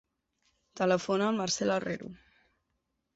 Telefona al Marcel Herrero.